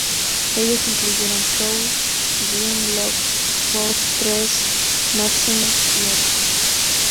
Ellos incluyeron Prowl, Grimlock, Fortress Maximus, y otros.